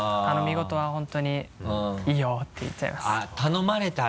頼み事は本当に「いいよ」って言っちゃいます。